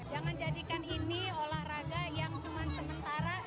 jangan jadikan ini olahraga yang cuma sementara